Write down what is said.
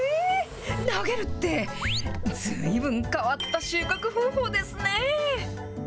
投げるって、ずいぶん変わった収穫方法ですね。